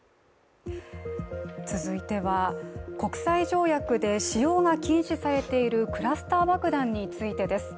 続いては、国際条約で使用が禁止されているクラスター爆弾についてです。